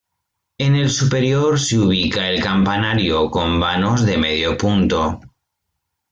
En el superior se ubica el campanario con vanos de medio punto.